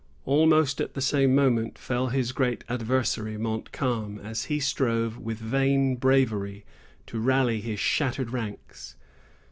Almost at the same moment fell his great adversary, Montcalm, as he strove, with vain bravery, to rally his shattered ranks.